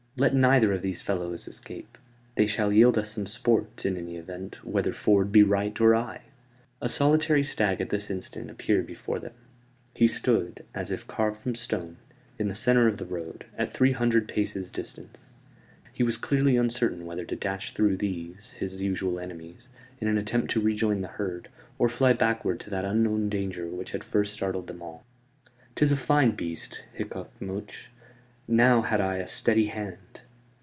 "Let neither of these fellows escape. They shall yield us some sport, in any event, whether Ford be right or I." A solitary stag at this instant appeared before them. He stood, as if carved from stone, in the center of the road, at three hundred paces' distance. He was clearly uncertain whether to dash through these his usual enemies, in an attempt to rejoin the herd, or fly backward to that unknown danger which had first startled them all. "'Tis a fine beast," hiccoughed Much. "Now had I a steady hand!"